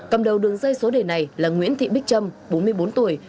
cầm đầu đường dây số đề này là nguyễn thị bích trâm bốn mươi bốn tuổi